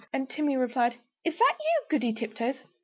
And Timmy replied, "Is that you, Goody Tiptoes?